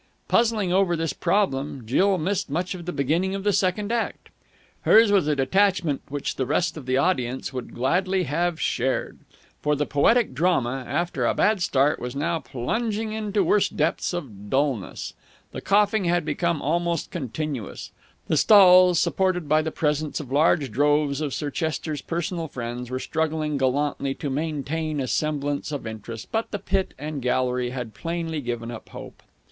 Puzzling over this problem, Jill missed much of the beginning of the second act. Hers was a detachment which the rest of the audience would gladly have shared. For the poetic drama, after a bad start, was now plunging into worse depths of dullness. The coughing had become almost continuous. The stalls, supported by the presence of large droves of Sir Chester's personal friends, were struggling gallantly to maintain a semblance of interest, but the pit and gallery had plainly given up hope.